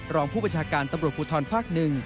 รองผู้ประชาการตำรวจพูทรภักดิ์๑